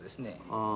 ああ